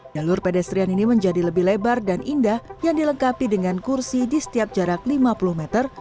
jalur pedestrian ini menjadi lebih lebar dan indah yang dilengkapi dengan kursi di setiap jarak lima puluh meter